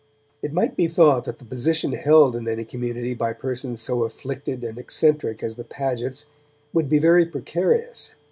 It might be thought that the position held in any community by persons so afflicted and eccentric as the Pagets would be very precarious.